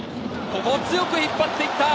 ここ強く引っ張っていった！